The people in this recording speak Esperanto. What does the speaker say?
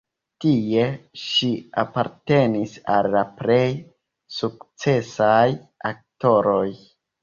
Tie ŝi apartenis al la plej sukcesaj aktoroj.